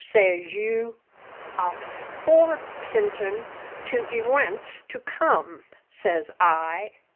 says you. A forep'intin' to ewents to come, says I.